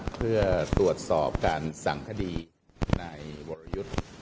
เพื่อตรวจสอบการสั่งคดีในวรยุทธ์